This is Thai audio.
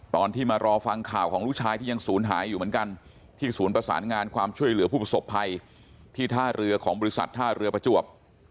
ตอนที่มารอฟังข่าวของลูกชายที่ยังศูนย์หายอยู่เหมือนกันที่ศูนย์ประสานงานความช่วยเหลือผู้ประสบภัยที่ท่าเรือของบริษัทท่าเรือประจวบ